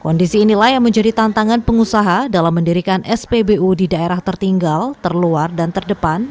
kondisi inilah yang menjadi tantangan pengusaha dalam mendirikan spbu di daerah tertinggal terluar dan terdepan